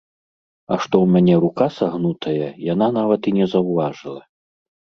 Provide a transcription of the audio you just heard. А што ў мяне рука сагнутая, яна нават і не заўважыла.